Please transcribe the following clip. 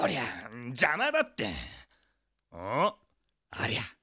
ありゃ！